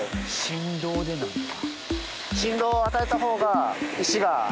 振動でなんだ。